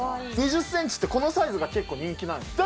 ２０センチって、このサイズが結構人気なんですよ。